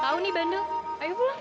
wah tau nih bandel ayo pulang